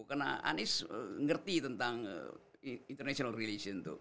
karena anies ngerti tentang international relation tuh